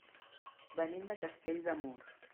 Venim de Castell de Mur.